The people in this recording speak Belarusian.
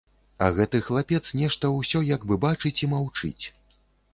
А гэты хлапец нешта ўсё як бы бачыць і маўчыць.